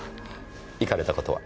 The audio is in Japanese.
行かれた事は？